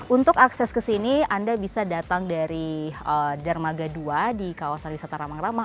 untuk akses ke sini anda bisa datang dari dermaga dua di kawasan wisata ramang ramang